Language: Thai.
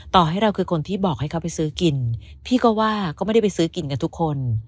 ต่อให้เราคือคนที่บอกให้เขาไปซื้อกินพี่ก็ว่าก็ไม่ได้ไปซื้อกินกันทุกคน